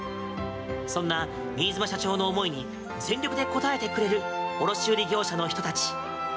そんな新妻社長の思いに全力で応えてくれる卸売業者の人たち。